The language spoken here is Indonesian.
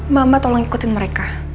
mama tolong ikutin mereka